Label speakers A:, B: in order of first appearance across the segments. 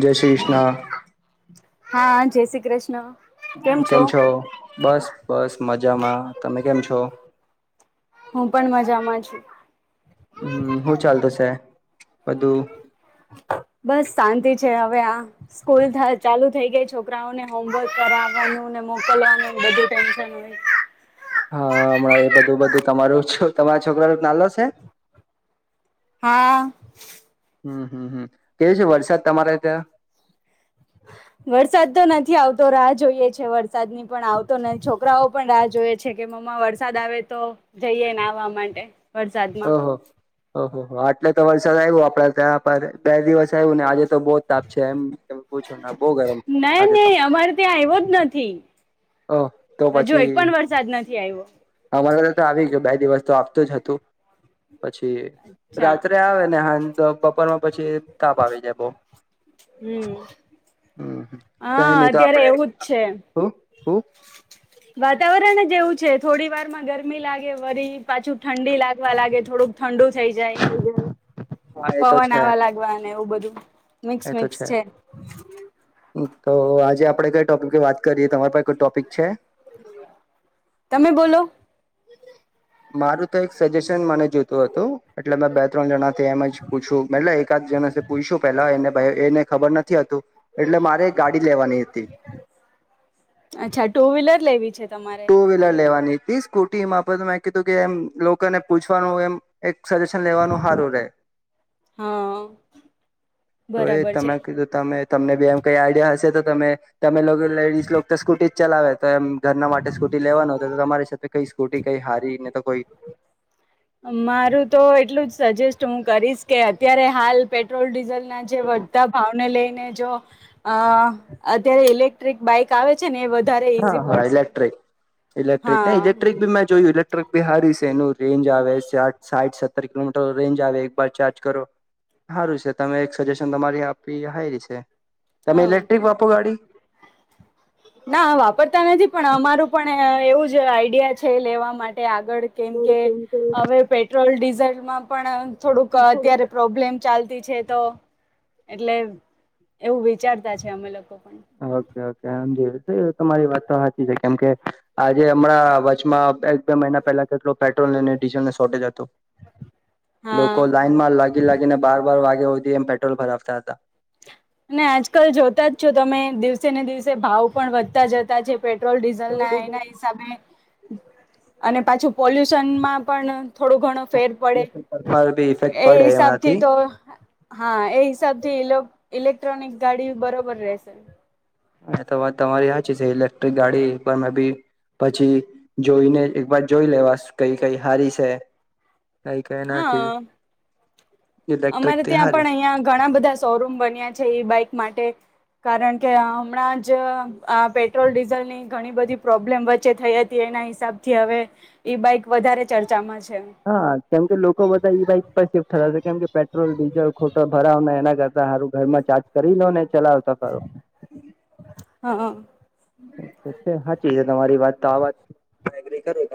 A: જય શ્રી કૃષ્ણ.
B: હા જય શ્રી કૃષ્ણ.
A: કેમ છો બસ બસ મજામાં તમે કેમ છો.
B: હું પણ મજામાં છું.
A: હમ શું ચાલતો છે બધું
B: બસ શાંતિ છે હવે આ સ્કૂલ ચાલુ થઈ ગઈ છોકરાઓને હોમવર્ક કરાવવાનું ને મોકલવાનું બધું ટેન્શન
A: હા હમણાં એ બધું બધું તમારું તમારા છોકરા નાલો છે
B: હા.
A: હમ હમ હમ કેવ છે વરસાદ તમારે ત્યાં
B: વરસાદ તો નથી આવતો રાહ જોઈએ છે વરસાદ ની પણ આવતો નથી છોકરાઓ પણ રાહ જોઈએ છે કે વરસાદ આવે તો જઈએ ને આવવા માટે વરસાદમાં
A: હ આટલે તો વરસાદ આવ્યો આપડે ત્યાં પર બે દિવસ આવ્યું ને આજે તો બહ તાપ છે એમ તમે પૂછો બહ ગરમ
B: નહી
A: આજે તો
B: નહી અમારે ત્યાં આવ્યો જ નથી
A: ઓ તો
B: હજુ
A: પછી
B: એક પણ વરસાદ નથી આવ્યો
A: અમારે તો આવી ગયો દ વસ્તુ આપતો જ હતું. પછી
B: અચ્છા
A: રાત્રે આવે ને હ તો બપોરમાં પછી તાપ આવી જાય બહ
B: હમ
A: હમ કઈ
B: હા
A: નહી તો
B: અત્યારે
A: આપણે
B: એવું જ છે
A: હ
B: વાતાવરણ જ એવું છે થોડી વાર માં ગરમી લાગે વરી પાછું ઠંડી લાગવા લાગે થોડુંક ઠંડુ થઈ જાય
A: હા એ તો
B: પવન
A: છે
B: આવવા લાગવાને એવું બધું મિક્સ
A: એ તો
B: મિક્સ છે.
A: તો આજે આપડે કઈ ટોપિક વાત તમા પા ટોપિક છે.
B: તમે બોલો
A: મારું તો એક સજેશન મને જોતું હતું. એટલે મેં બે ત્રણ જણાથી એમ જ પૂછું એટલે એકાદ જનેથી પૂછું પેલા એને એને ખબર નથી હતું એટલે મારે ગાડી લેવાની હતી.
B: અચ્છા ટુ વ્હીલર લેવી છે તમારે
A: ટુ વ્હીલર લેવાની તી સ્કૂટી એમાં આપ મેં કીધું કે એમ લોકોને પૂછવાનું એમ એક સજેશન લેવાનું સારું રે
B: હા
A: તો એ
B: બરાબર છે
A: તમે તમે તમને બી એમ કઈ આઈડિયા હશે તો તમે તમે લોકો લેડીસ તો સ્કૂટી જ ચલાવે તો એમ ઘરના માટે સ્કૂટી લેવાનો તો તમારી સાથે કઈ સ્કૂટી કઈ હારી ને તો કોઈ
B: મારું તો એટલું જ સજેસ્ટ હું કરીશ કે અત્યારે હાલ પેટ્રોલ ડીઝલ ના જે વધતા ભાવને લઈને અત્યારે ઇલેક્ટ્રિક બાઈક આવે છે ને વધારે
A: હા
B: ઈઝી
A: હા
B: પડશે
A: ઇલેક્ટ્રિક ઇલેક્ટ્રિક
B: હા
A: ઇલેક્ટ્રિક ભી મેં જોયું ઇલેક ક ભી હારી છે. એનું રેન્જ આવે સાઇડ સાઠ, સત્તર કિલોમીટર રેન્જ આવે. એકવાર ચાર્જ કરો સારું છે તમે એક સજેશન તમારી આપી હાય રી છે. તમે
B: હા
A: ઇલેક્ટ્રિક વાપો ગાડી?
B: ના વાપરતા નથી. પણ અમારું પણ એવું જ આઈડિયા છે. લેવા માટે, ગળ કેમ કે
A: થોડું
B: હવે પેટ્રોલ ડીઝલમાં પણ થોડુંક અત્યારે પ્રોબ્લેમ ચાલ છે. તો એટલે એવું, વિચારતા છે અમે લોકો, પણ
A: ઓકે ઓકે, આમ જો તમારી વાત તો સાચી છે. કેમ કે આજે હમણાં એક બે મહિના પહેલા, કેટલું પેટ્રોલ અને ડીઝલને શોર્ટેજ હતું. લોકો
B: હા
A: લાઇનમાં લાગી લાગીને, બાર બાર વાગે સુધી એમ પેટ્રોલ ભરાવતા હતા.
B: અને આજકાલ જોતા જ છો તમે? દિવસે ને દિવસે ભાવ પણ વધતા જતા છે. પેટ્રોલ ડીઝલ ના એના હિસાબે, અને પાછું પોલ્યુશનમાં પણ થોડું ઘણો ફેર પડે.
A: પર બી ઇફેક્ટ
B: એ
A: પડે
B: હિસાબ
A: એમાંથી
B: થી તો હા, એ હિસાબ થી ઇલેક્ટ્રોનિક ગાડી બરોબર રહેશે.
A: હ તો વાત તમારી સાચી છે. ઇલેક્ટ્રિક ગાડી પર મે ભી પછી જોઈને, એક વાર જોઈ લેવા કઈ કઈ હારી છે. કઈ કઈ નથી
B: હા, [unintelligible]
A: ઇલેક્ટ્રિક
B: અમારે
A: તે
B: ત્યાં
A: હારી
B: પણ અહિયાં ઘણા બધા શો રૂમ બન્યા છે. એ બાઈક માટે કારણ કે, હમણાં જ આ પેટ્રોલ ડીઝલ ની ઘણી બધી પ્રોબ્લેમ વચ્ચે થઈ હતી. એ એના હિસાબ થી હવે, ઈ બાઈક વધારે ચર્ચામાં છે.
A: હા, કેમ કે લોકો બધા ઈ બાઈક પર શિફ્ટ થતા છે. કેમ કે પેટ્રોલ, ડીઝલ ખોટો ભરાવના એના કરતા હારુ ઘરમાં ચાર્ કરી લો ને, ચલાવ સફારો
B: હા
A: છે. હાચી તમારી વાત તો, આ વાત એગ્રી કરી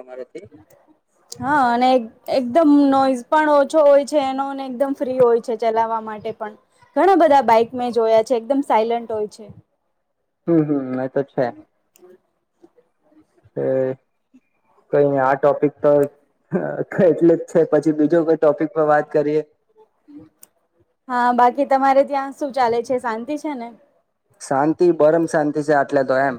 B: [unintelligible] હા અને એકદમ નોઈઝ પણ ઓછો હોય છે એનો ને, એકદમ ફ્રી હોય છે. ચલાવવા માટે પણ, -' ઘણા બધા બાઈક મેં જોયા છે. એકદમ સાયલન્ટ હોય છે.
A: હમ હમ, એ તો છે. એએ કઈ નહી. આ ટોપિક તો હા, એટલે જ છે, પછી બીજો કોઈ ટોપિક પર વાત કરીએ.
B: હા, બાકી તમારે ત્યાં શું ચાલે છે, શાંતિ છે ને?
A: શાંતિ પરમ શાંતિ છે. આટલે તો એમ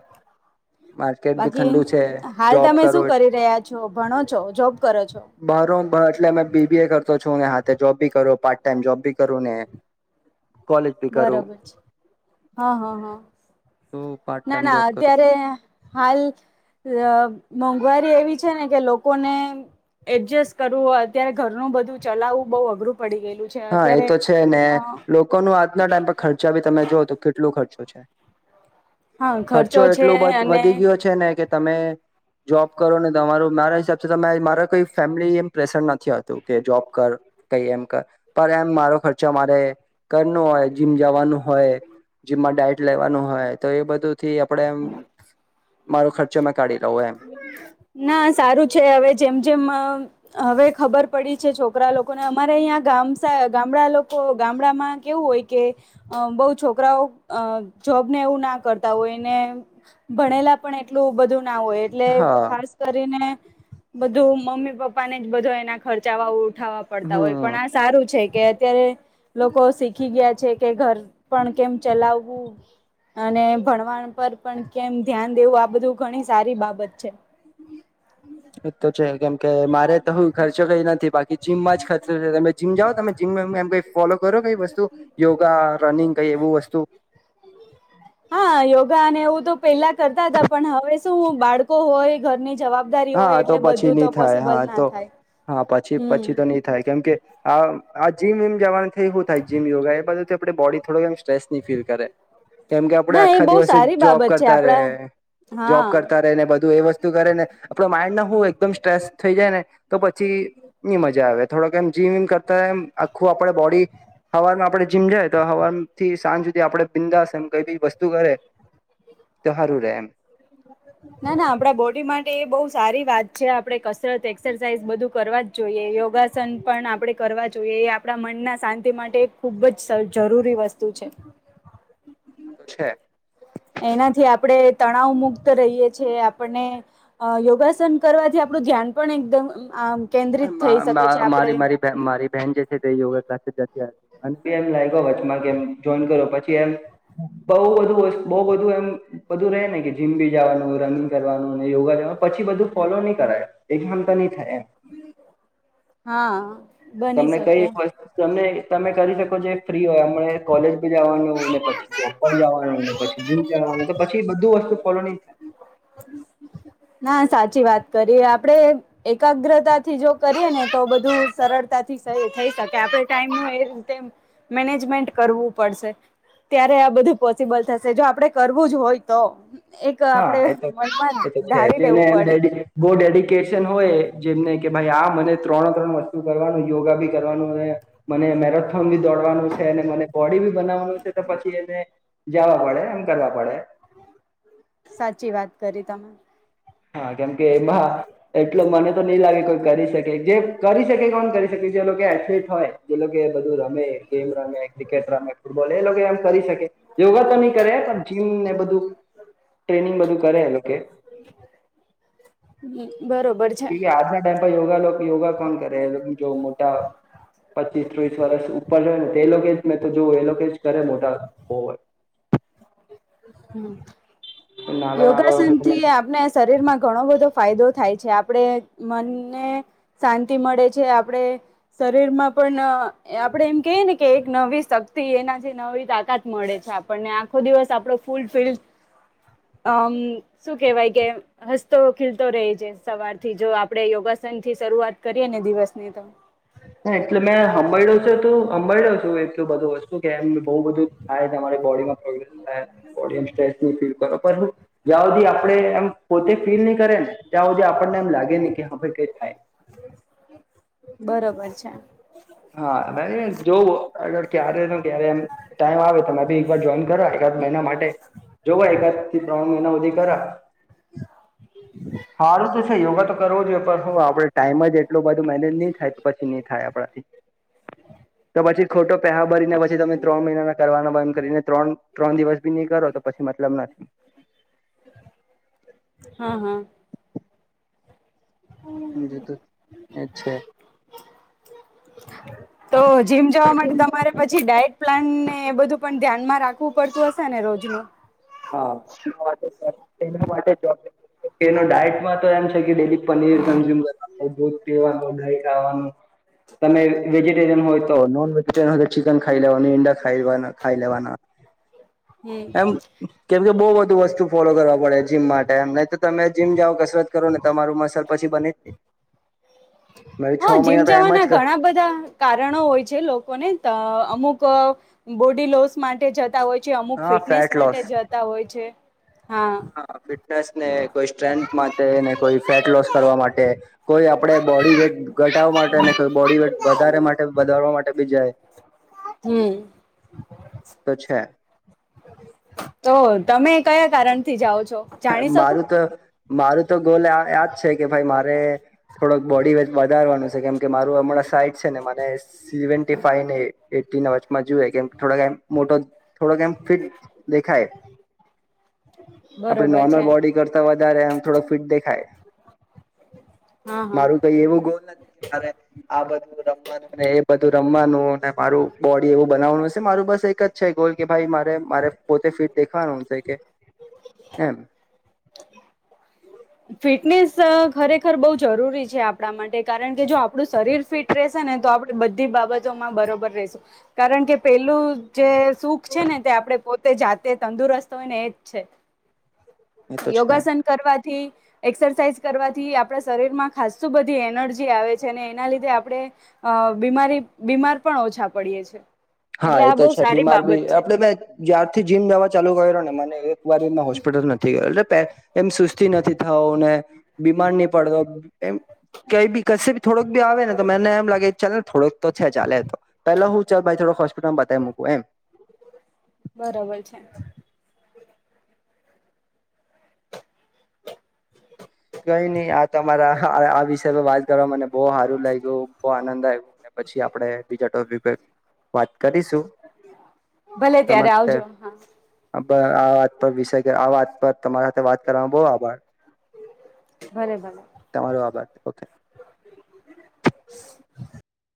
A: માર્કેટ ભી
B: બાકી
A: ઠંડુ છે.
B: હાલ
A: જોબ
B: તમે
A: કરો
B: શું કરી રહ્યા છો ભણો છો જોબ કરો છો
A: બાર ઓમ બાર એટલે, મે બીબીએ કરતો છે. છો ને હાથે જોબ ભી કરો, પાર્ટ ટાઈમ જોબ ભી કરો ને, કોલેજ ભી કરુ.
B: બરોબર છે હા હા હા,
A: પાર્ટ
B: ના
A: ટાઈમ
B: ના
A: જોબ કરું
B: અત્યારે હાલ, મોંઘવારી એવી છે ને, કે લોકોને એડજસ્ટ કરવું, અત્યારે ઘરનું બધું ચલાવવું બઉ અઘરું પડી ગયેલું છે
A: હા એ
B: અત્યારે
A: તો છે ને,
B: અ
A: લોકોનું આ આના ટાઈમ પર ખર્ચા ભી, તમે જો ઓ તો કેટલો ખર્ચો છે.
B: હા
A: ખર્ચો
B: છે
A: એટલો બધો
B: અને
A: વધી ગયો છે. ને કે તમે જોબ કરો ને, તમારું મારા હિસાબ થી તમે મારા કઈ ફેમિલી એમ પ્રેશર નથી આવતું કે, જોબ કર. કઈ એમ પણ એમ, મારો ખર્ચો મારે કરનો હોય જીમ જવાનું હોય. જીમમાં ડાયટ લેવાનું હોય તો એ બધું થી, આપણે મારો ખર્ચો મે કાઢી. લઉં એમ
B: ના સારું છે હવે, જેમ જેમ હવે ખબર પડી છે. છોકરા લોકોને અમારે, અહીંયા ગામસા ગામડા લોકો ગામડામાં કેવું હોય કે બઉ છોકરાઓ જોબ ને એવું, ના કરતા હોયને ભણેલા પણ એટલું બધું ના હોય. એટલે
A: હા
B: ખાસ કરીને બધું મમ્મી, પપ્પાને જ બધો એના ખર્ચા વાવો ઉઠાવવા પડતા હોય
A: હમ
B: પણ આ સારું છે કે અત્યારે લોકો શીખી ગયા છે કે ઘર પણ કેમ ચલાવવું અને ભણવાણ પર પણ કેમ ધ્યાન દેવું આ બધું ઘણી સારી બાબત [unintelligible]
A: એ તો છે કેમ કે મારે તો હું ખર્ચો કઈ નથી બાકી કે જીમ માં જ ખતરો છે તમે જીમ જાઓ તમે જીમ એમ કઈ ફોલો કરો કઈ વસ્તુ યોગા રનિંગ કઈ એવું વસ્તુ
B: હા યોગા અને એવું તો પેલા કરતા હતા પણ હવે શું બાળકો હોય ઘરની જવાબદારી હોય
A: હા તો
B: એટલે
A: પછી
B: બધું
A: નહી
B: તો
A: થાય
B: પોસિબલ
A: હા
B: ના
A: તો
B: થાય
A: હા પછી
B: હમ
A: પછી તો નહી થાય કેમ કે આ આ જીમ વમ જવાનું થઈ શું થાય જીમ યોગા એ બધુંથી આપણે બોડી થોડોક એમ સ્ટ્રેસ ની ફીલ કરે કેમ કે આપડે
B: ના એ
A: આખા
B: બહુ
A: દિવસે
B: સારી
A: જોબ
B: બાબત છે
A: કરતા રે
B: આપડા હા
A: જોબ કરતા રને બધું એ વસ્તુ કરે ને આપડ માઇન્ડ ના હું એકદમ સ્ટ્રેસ થઈ જાય ને તો પછી ની મજા આવે થોડોક એમ જીમ વમ કરતા આખું આપે બોડી હવારમાં આપણે જીમ જાય તો હવારથી સાંજ સુધી આપે બિંદાસમ ક વસ્તુ કરે તો સારું રે એમ
B: ના ના આપડા બોડી માટે એ બહુ સારી વાત છે આપડે કસરત એક્સરસાઇઝ બધું કરવા જ જોઈએ યોગ યોગાસન પણ આપણે કરવા જોઈએ એ આપણા મનના શાંતિ માટે ખૂબ જ જરૂરી વસ્તુ છે.
A: [unintelligible] એ તો છે.
B: એનાથી આપણે તણાવ મુક્ત રહીએ છીએ આપણને યોગાસન કરવાથી આપ આપડું ધ્યાન પણ એકદમ આમ કેન્દ્રિત થઈ શકે છે
A: મારી
B: આપણે
A: મારી મારી બેહેન જે છે તે યોગા ક્લા જતી પી એમ લાગ વચમાં કેમ જોઈન કરો પછી એમ બ બું બ બું એમ બધું ર રહે ને કે જીમ બી જવાનું રનિંગ કરવાનું યોગા જવાનું પછી બધું ફોલો નહી કરાય એ ઘતા ન થાય.
B: હા. બની
A: તમને કઈ
B: શકે
A: હો ત તમે કરી શકો છ ફ્રી હોય હમણા કોલેજ જવાનું ને પછીર જવાનુંને પછી જીમ જવાનું પછી બધું વસ્તુ ફોલો નહી થાય.
B: હમ. ના સાચી વાત કરીએ આપડે એકાગ્રતા થી જો કરીએ ને તો બધું સરળતા થકે આપણે ટાઈમ એ રીતે મેનેજમેન્ટ કરવું પડશે. ત્યારે આ બધું પોસિબલ થશે જો આપડે કરવું જ હોય તો. એક
A: હા
B: આપડે
A: એ તો એ
B: વણવાની
A: તો જેને બહ ડેડિકેશન હોય જેમને કે ભાઈ આ મને ત્રણ ત્રણ વસ્તુ કરવાનું યોગા ભી કરવાનું અને મને મેરેથોન ભી દોડવાનું છે. મને બોડી ભી બનાવવાનું છે તો પછી એને જવા પડે એમ કરવા પડે
B: [unintelligible] સાચી વાત કરી તમે.
A: હા કેમકે એમાં એટલો મને તો નઈ લાગે કોઈ કરી શકે. જે કરી શકે કોણ કરી શકે જે લોકો એથલીટ હોય. જે લોકો બધું રમે ગેમ રમે ક્રિકેટ રમે ફૂટબોલ એ લોકો એમ કરી શકે યોગા તો નહી કરે મને બધું ટ્રેનિંગ બધું કરે કે
B: હમ બરોબર છે.
A: કે આજના ટાઈમ યોગા લોકો યોગા કોણ કરે જો મોટા પચીસ ત્રીસ વરષ ઉપર રહે ને તો એ લોકો જ મેં તો જોવું એ લોકો જ કરે મોટા હોય [inaudible]
B: હમ.
A: નાના નાના
B: યોગાસન થી
A: હોય
B: આપને શરીર માં ઘણો બધો ફાયદો થાય છે આપણે મનને શાંતિ મળે છે આપણે શરીરમાં પણ આપડે એમ કે ને કે એક નવી શક્તિ એના જે નવી તાકાત મળે છે આપણને આખો દિવસ આપો ફૂલ ફિલ્.
A: [inaudible]
B: અમ શું કેવાય કે હસતો ખીલતો રહે છે સવારથી જો આપડે યોગાસન. થી શરૂઆત કરીએે ને દિવસની ત.
A: હા એટલે મેં સાંભાડ્યો છે તું હંભાઈ્યો છ એટલ બધું વસ્તુ કેમ. બહુ બધું થાય તમારી બોડીમાં પ્રોગ્લેસ થાય બોડી એ સ્ટ્રેસ બ ફીલ કરો. જ્યાં સુધી આપડે એમ પોતે ફીલ નહી કરે ને ત્યાં સુધી આપ. આપને એમ લાગે ને કે હર કઈ થાય.
B: ા.
A: હા જોગર ક્યારે ક્યારે એ ટાઈમ આવે તી એકર જોઈન કર. મહિના માટે જોવા એકાદ થી ત્રણ મહિના સુધી કરા. હારું તો છે યોગા તો. કરવો જોઈએ પણ આપડે ટાઈમ જ એટલોું બધું મેનેજ નહી થાય તો પછી નહી થાય આપણાથી. તો પછી ખોટો પેહા ભરીને પછી તમે ત્રણ મહિનાના કરવાનો એમ કરીને ત્રણ ત્રણ દિવસ. બી ન કરો તો પછી મતલબ નથી.
B: હા હા
A: જ તો એ છે.
B: તો જીમ જવા માટે તમારે પછી ડાયટ પ્લાન ને બધું. પણ ધ્યાનમાં રાખવું પડતું હશે ને રોજનું.
A: હા એ એ માટેબ. એનો ડાયટમાં તો એમ છે કે ડેલી પનીર કન્ઝ્યુમ કરવાનું દૂધ પીવાનું ગાય ખાવાનું. તમે વેજીિટેરિયન હોય તો નોન વેજીિટેરિયન હોય તો ચિકન ખાઈ લેવાનું ઇંડાિયા ખ ખાઈ લેવાના. [inaudible]
B: હમ.
A: એમ કેમ કે બહુ બધુ વસ્તુ ફોલો કરવા પડે જીમ માટેમ નહી તો તમે જીમ જાઓ કસરત કરો ને તમારું મ. પછી બને મેં છ
B: હા જીમ
A: મહિના તો એમ
B: જવાના
A: જ કર
B: ઘણા બધા કારણો હોય છે લોકોને તો અમુક અમુક બોડી લોસ માટે જતા હોય છે અમુક
A: હા
B: ફિટનેસ
A: ફેટ
B: માટે
A: લોસ
B: જતા હોય છે
A: હા ફિટનેસ ને કોઈ સ્ટ્રેન્થ માટે કોઈ ફેટ લોસ કરવા માટે કોઈ આપડે બોડી વેટ ઘટાવા માટે કોઈ બોડી વેટ વધારે માટે વધારવા માટે બી જાય
B: હમ
A: તો છે
B: તો તમે કયા કારણ થી જાઓ છો જાણી શકું
A: મારું તો મારું તો ગોલ યાજ છે કે ભાઈ મારે થોડોક બોડી વધારવાનું છે કેમ કે મારું હમણાં સાટ છે ને મ સેવનટીએ વચમાં જોુએ કેમ થોક મોટો થોડા કેમ ફિટ દેખાાય
B: [inaudible]
A: આપણે
B: છે
A: નોર્મલ બોડી કરતા વધારે એમ થોડો ફિટ દેખાય
B: હા હા
A: મારું કઈ એવું ગોલ નથી કે મારે આ બધું રમવાનુંને એ બધું રમવાનુંને મારું બોડી એવું બનાવવાનું હશે મારું બસ એક જ અચ્છ ગોલ કે ભાઈ મારે મારે પોતે ફિટ દેખવાનું થ કે [inaudible]
B: ફિટનેસ ખરેખર બહુ જરૂરી છે આપણા માટે કારણ કે જો આપણું શરીર ફિટ રશે ને આપણે બધી બાબતોમાં બરોબર રશું કારણ કે પેલું જે સુખ છે ને તે આપણે પોતે જાતે તંદુરસ્ત હોય ને એજ છે
A: [inaudible] એ તો છે
B: યોગાસન કરવા થી એક્સરસાઇઝ કરવાથી આપણા શરીર માં ખાસતું બધી એનર્જી આવે છે અને એના લીધે આપણે અ બીમારી બીમાર પણ ઓછા પડીએ છે
A: હા
B: એટલે
A: એ
B: આ
A: તો
B: બહુ
A: છે
B: સારી
A: બીમાર બી
B: બાબત છે
A: આપડે મે જ્યારથી જીમ જવા ચાલુ કર્યો ને મને એક વારીમાં હોસ્પિટલ ન થી ગયો એટલે એમ સુસ્તી નથી થવ ને બીમાર નહી પડતો એમ કઈ બી કશે થોક બી આવે ને તો મને એમ લાગે ચાલ ને થોડોક તો છે ચાલે તો પેલા હું ચાલ ભાઈ થોડક હોસ્પિટલમાં બતાવી મૂક એમ
B: બરાબર છે.
A: કઈ નહી આ તમારા આ વિષય પર વાત કરવા મને બો સારું લાગ્યું બો આનંદ આવ્યું ને પછી આપડે બીજા ટોપિક વાત કરીશું.
B: ભલે ત્યારે
A: તમાર [unintelligible] કર
B: આવજો હા
A: આ વાત તમારા સાથે વાત કરવામાં બો આભાર
B: ભલે ભલે
A: તમારો આભાર ઓકે